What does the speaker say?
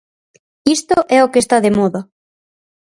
Isto é o que está de moda.